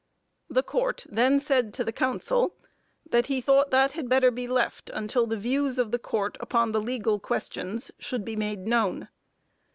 The Court then said to the counsel that he thought that had better be left until the views of the Court upon the legal questions should be made known.